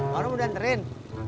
marun udah ngerin